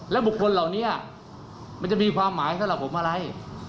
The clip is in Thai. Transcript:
บุคคลเหล่านี้มันจะมีความหมายสำหรับผมอะไร